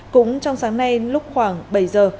cũng trong sáng nay lúc khoảng bảy giờ